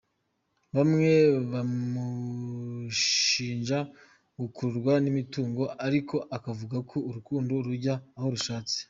Bamwe bamushinja gukururwa n’imitungo ariko akavuga ko urukundo rujya aho rushatse .